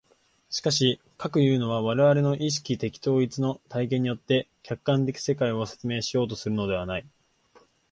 しかし、かくいうのは我々の意識的統一の体験によって客観的世界を説明しようとするのではない。